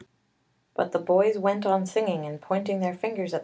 But the boys went on singing and pointing their fingers at i37